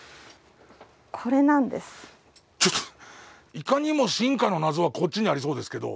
ちょっといかにも進化の謎はこっちにありそうですけど。